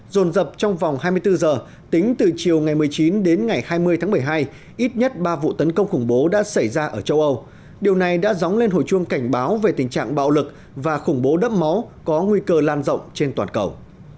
rồn rập trong vòng hai mươi bốn giờ tính từ chiều ngày một mươi chín đến ngày hai mươi tháng một mươi hai ít nhất ba vụ tấn công khủng bố đã xảy ra ở châu âu điều này đã dóng lên hồi chuông cảnh báo về tình trạng bạo lực và khủng bố đẫm máu có nguy cơ lan rộng trên toàn cầu